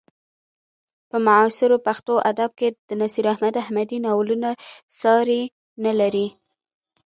په معاصر پښتو ادب کې د نصیر احمد احمدي ناولونه ساری نه لري.